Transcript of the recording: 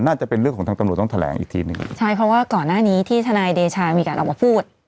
น่าจะเป็นเรื่องของทางตำรวจต้องแถลงอีกทีหนึ่งใช่เพราะว่าก่อนหน้านี้ที่ทนายเดชามีการออกมาพูด